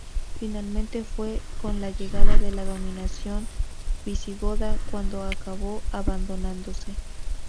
Finalmente, fue con la llegada de la dominación visigoda cuando acabó abandonándose.